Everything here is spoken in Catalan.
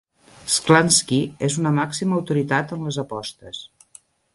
Sklansky és una màxima autoritat en les apostes.